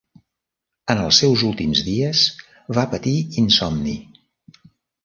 En els seus últims dies va patir insomni.